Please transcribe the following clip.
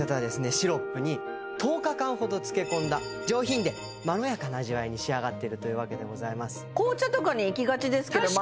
シロップに１０日間ほど漬け込んだ上品でまろやかな味わいに仕上がっているというわけでございます